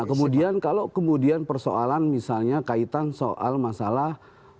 nah kemudian kalau kemudian persoalan misalnya kaitan soal masalah